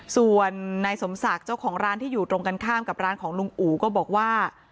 ส่วนนายสมศักดิ์เจ้าของร้านที่อยู่ตรงกันข้ามกับร้านของลุงอู๋ก็บอกว่า